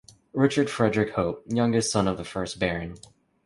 Richard Frederick Hope, youngest son of the first Baron.